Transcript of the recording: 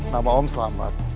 nama om selamat